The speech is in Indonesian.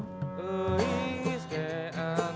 kan yang kerja akang